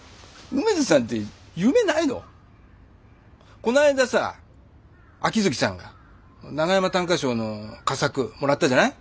この間さ秋月さんが長山短歌賞の佳作もらったじゃない。